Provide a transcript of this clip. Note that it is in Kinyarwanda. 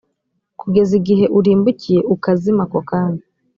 kugeza igihe urimbukiye ukazima ako kanya,